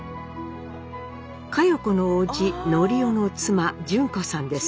佳代子の叔父教夫の妻純子さんです。